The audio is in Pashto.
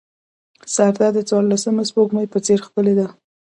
سارده د څوارلسم سپوږمۍ په څېر ښکلې ده.